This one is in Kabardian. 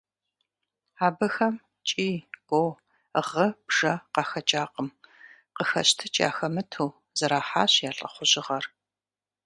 Абыхэм кӀий-гуо, гъы-бжэ къахэкӀакъым – къыхэщтыкӀ яхэмыту, зэрахьащ я лӀыхъужьыгъэр.